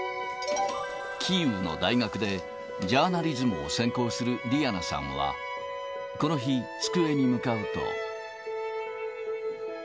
キーウの大学でジャーナリズムを専攻するディアナさんは、この日、机に向かうと。